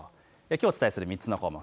きょうお伝えする３つの項目